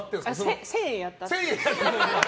１０００円やったの。